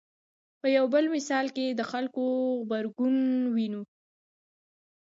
په یو بل مثال کې د خلکو غبرګون وینو.